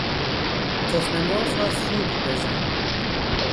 تخم مرغ را خوب بزن